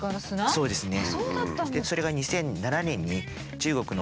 そうですね。